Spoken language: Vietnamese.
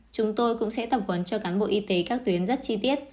chúng tôi cũng sẽ tập huấn cho cán bộ y tế các tuyến rất chi tiết